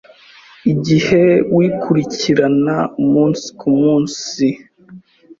igihe wikurikirana umunsi ku munsi,